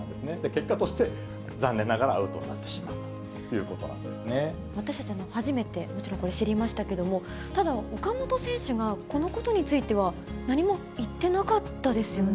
結果として残念ながらアウトになってしまったということなんです私たち、初めて、もちろん、これ知りましたけど、ただ岡本選手がこのことについては、何も言ってなかったですよね。